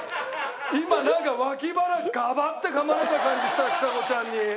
今なんか脇腹ガバッて噛まれた感じしたちさ子ちゃんに。